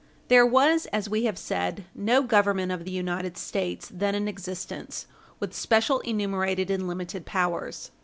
There was, as we have said, no Government of the United States then in existence Page 60 U. S. 435 with special enumerated and limited powers.